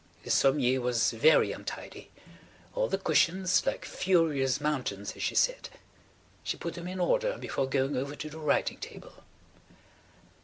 ... The sommier was very untidy. All the cushions "like furious mountains" as she said; she put them in order before going over to the writing table.